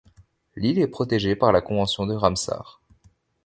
L'île est protégée par la convention de Ramsar.